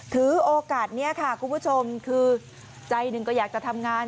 ถือโอกาสนี้ค่ะคุณผู้ชมคือใจหนึ่งก็อยากจะทำงาน